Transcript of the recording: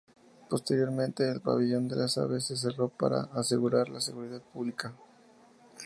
Posteriormente, el Pabellón de las Aves se cerró para asegurar la seguridad pública.